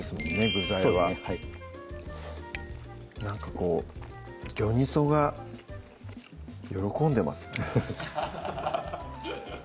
具材はなんかこうギョニソが喜んでますね